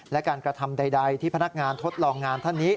และการกระทำใดที่พนักงานทดลองงานท่านนี้